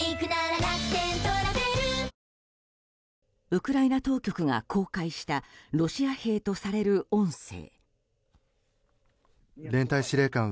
ウクライナ当局が公開したロシア兵とされる音声。